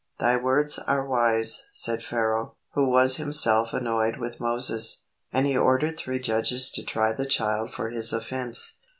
"Thy words are wise," said Pharaoh, who was himself annoyed with Moses, and he ordered three judges to try the child for his offence.